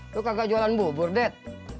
itu kagak jualan bubur det